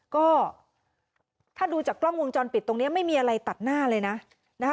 ก็ถ้าดูจากกล้องวงจรปิดตรงนี้ไม่มีอะไรตัดหน้าเลยนะนะคะ